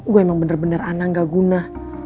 gue emang bener bener anang gak guna